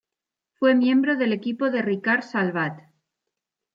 Fue miembro del equipo de Ricard Salvat.